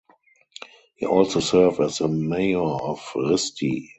He also serve as the mayor of Risti.